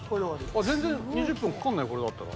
全然２０分かかんないこれだったら。